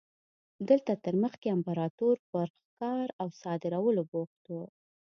دلته تر مخکې امپراتور په ښکار او صادرولو بوخت و.